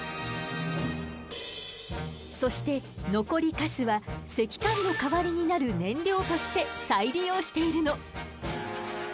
そして残りカスは石炭の代わりになる燃料として再利用しているの。